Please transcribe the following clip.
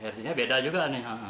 rt nya beda juga